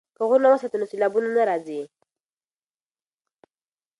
که غرونه وساتو نو سیلابونه نه راځي.